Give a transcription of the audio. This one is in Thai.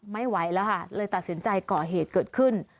ไม่ไหวแล้วค่ะเลยตัดสินใจก่อเหตุเกิดขึ้น